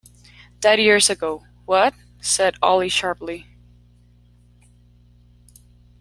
“Died years ago.” “What?” said Ollie, sharply.